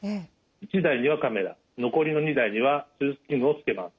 １台にはカメラ残りの２台には手術器具をつけます。